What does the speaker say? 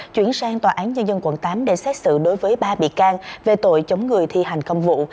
chuyển sang tòa án nhân dân quận tám để xét xử đối với ba bị can về tội chống người thi hành công vụ